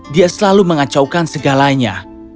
dia selalu mengacaukan segalanya